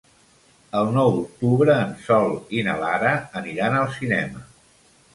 El nou d'octubre en Sol i na Lara aniran al cinema.